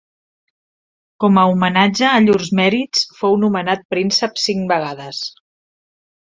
Com a homenatge a llurs mèrits, fou nomenat príncep cinc vegades.